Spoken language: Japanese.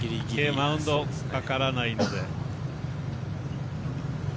マウンドかからないので。